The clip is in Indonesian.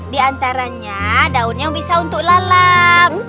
diantaranya daunnya bisa untuk lalang